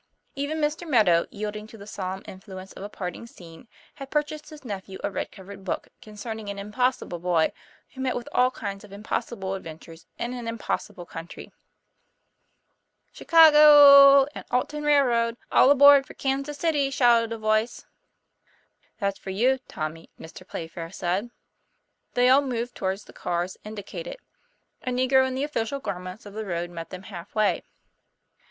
Even Mr. Meadow, yielding to the solemn influ ence of a parting scene, had purchased his nephew a red covered book, concerning an impossible boy, who met with all kinds of impossible adventures in an impossible country. "Chicago ooo and Alton Railroad; all aboard for Kansas City!" shouted a voice. "That's for you, Tommy," Mr. Playfair said. They all moved towards the cars indicated. A negro in the official garments of the road met them half way.